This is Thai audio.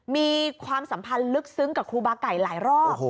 มีความสัมพันธ์ลึกซึ้งกับครูบาไก่หลายรอบ